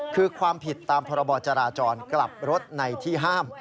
คือความผิดตามพรบจราจรกลับรถในที่ห้าม